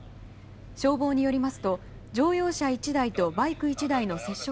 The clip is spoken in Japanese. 消防によりますと乗用車１台とバイク１台の接触